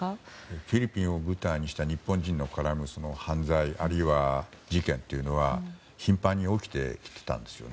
フィリピンを舞台にした日本人が絡む犯罪あるいは事件というのは頻繁に起きていたんですよね。